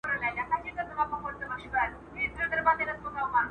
هغې وویل چې فشار یې اوږدمهاله و.